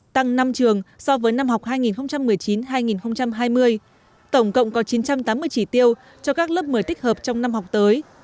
tăng năm trường so với năm học hai nghìn một mươi chín hai nghìn hai mươi tổng cộng có chín trăm tám mươi chỉ tiêu cho các lớp một mươi tích hợp trong năm học tới